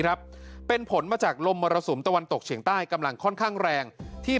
ครับเป็นผลมาจากลมมรสุมตะวันตกเฉียงใต้กำลังค่อนข้างแรงที่